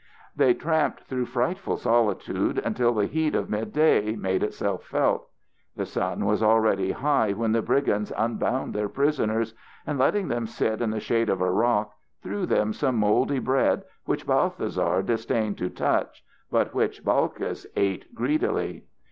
They tramped through frightful solitudes until the heat of mid day made itself felt. The sun was already high when the brigands unbound their prisoners, and, letting them sit in the shade of a rock, threw them some mouldy bread which Balthasar disdained to touch but which Balkis ate greedily.